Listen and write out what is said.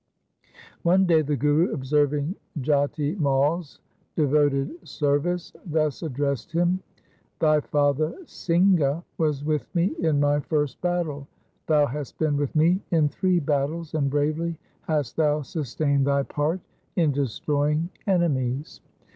One day the Guru, observing Jati Mai's devoted service, thus addressed him, ' Thy father Singha was with me in my first battle. Thou hast been with me in three battles, and bravely hast thou sus tained thy part in destroying enemies.